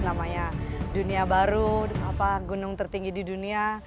namanya dunia baru gunung tertinggi di dunia